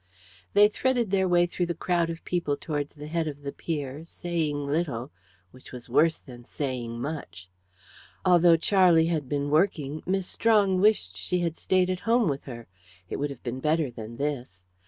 They threaded their way through the crowd of people towards the head of the pier, saying little, which was worse than saying much. Although Charlie had been working, Miss Strong wished she had stayed at home with her; it would have been better than this.